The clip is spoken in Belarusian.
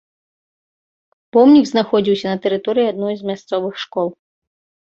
Помнік знаходзіўся на тэрыторыі адной з мясцовых школ.